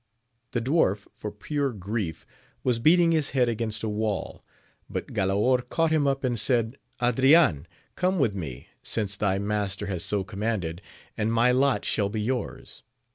The dwarf for pure grief was beating his head against a wail ; but Galaor caught him up and said, Ardian come with me, since thy master has so commanded, and my lot shalll be yours.